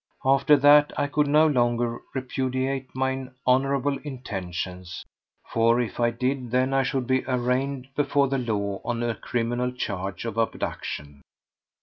After that I could no longer repudiate mine honourable intentions, for if I did, then I should be arraigned before the law on a criminal charge of abduction.